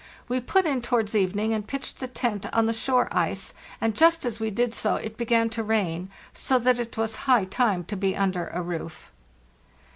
We put in towards evening and pitched the tent on the shore ice, and just as we did so it began to rain, so that it was high time to be under a roof.